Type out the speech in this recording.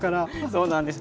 そうなんです。